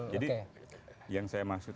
jadi yang saya maksud